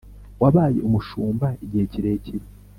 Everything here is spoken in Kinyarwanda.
wabaye umushumba igihe kirekire